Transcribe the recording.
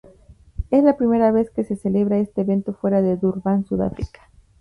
Es la primera vez que se celebra este evento fuera de Durban, Sudáfrica.